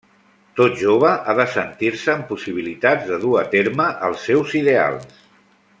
Tot jove ha de sentir-se amb possibilitats de dur a terme els seus ideals.